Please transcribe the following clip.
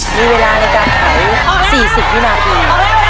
มีเวลาในการเผา๔๐วินาที